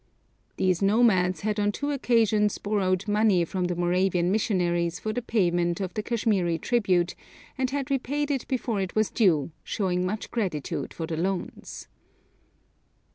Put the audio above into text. These nomads had on two occasions borrowed money from the Moravian missionaries for the payment of the Kashmiri tribute, and had repaid it before it was due, showing much gratitude for the loans.